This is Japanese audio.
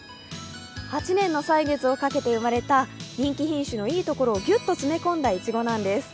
８年の歳月をかけて生まれた人気品種のいいところをぎゅっと詰め込んだいちごなんです。